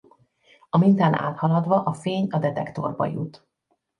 A mintán áthaladva a fény a detektorba jut.